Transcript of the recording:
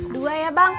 dua ya bang